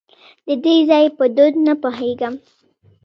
د دې ځای په دود نه پوهېږم .